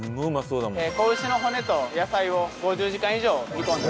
子牛の骨と野菜を５０時間以上煮込んで。